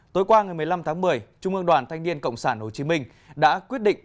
tối qua ngày một mươi năm tháng một mươi trung ương đoàn thanh niên cộng sản hồ chí minh đã quyết định